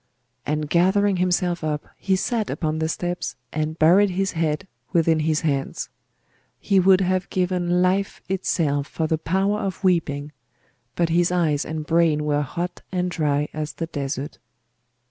And gathering himself up, he sat upon the steps and buried his head within his hands. He would have given life itself for the power of weeping: but his eyes and brain were hot and dry as the desert.